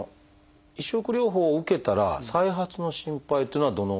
移植療法を受けたら再発の心配っていうのはどの？